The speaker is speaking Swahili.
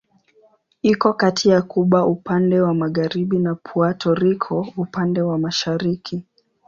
Iko kati ya Kuba upande wa magharibi na Puerto Rico upande wa mashariki.